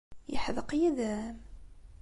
Yeḥdeq yid-m?